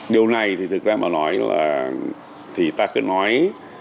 điều này thì thực ra mà nói là thì ta cứ nói